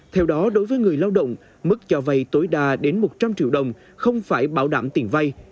theo đó đối với người lao động mức cho vay tối đa đến một trăm linh triệu đồng không phải bảo đảm tiền vay